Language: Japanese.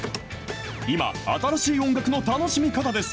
今、新しい音楽の楽しみ方です。